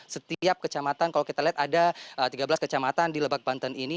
setiap kecamatan kalau kita lihat ada tiga belas kecamatan di lebak banten ini